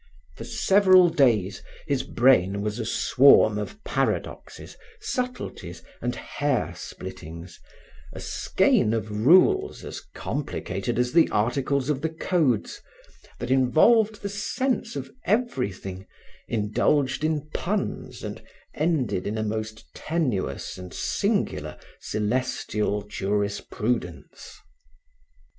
For several days his brain was a swarm of paradoxes, subtleties and hair splittings, a skein of rules as complicated as the articles of the codes that involved the sense of everything, indulged in puns and ended in a most tenuous and singular celestial jurisprudence.